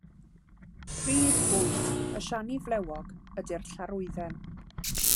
Prif fwyd y siani flewog ydy'r llarwydden.